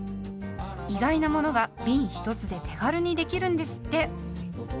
意外なものがびん１つで手軽にできるんですって。